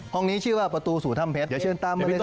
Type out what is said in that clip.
ห้องนี้ชื่อว่าประตูสู่ถ้ำเพชรเดี๋ยวเชิญตามมาเลยครับ